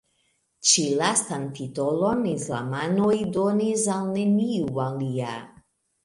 Ĉi-lastan titolon islamanoj donis al neniu alia.